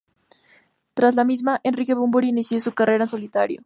Tras la misma, Enrique Bunbury inició su carrera en solitario.